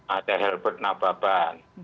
ada herbert nababan